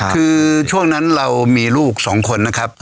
คือช่วงนั้นเรามีลูก๒คนนะครับ